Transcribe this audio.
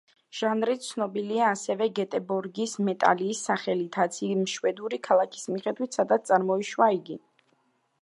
ჟანრი ცნობილია ასევე გეტებორგის მეტალის სახელითაც, იმ შვედური ქალაქის მიხედვით, სადაც წარმოიშვა იგი.